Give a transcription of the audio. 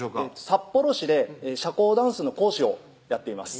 札幌市で社交ダンスの講師をやっています